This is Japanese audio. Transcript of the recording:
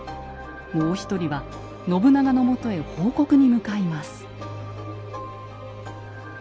もう一人は信長のもとへ報告に向かいます。